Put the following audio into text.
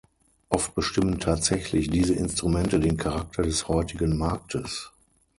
Oft bestimmen tatsächlich diese Instrumente den Charakter des heutigen Marktes.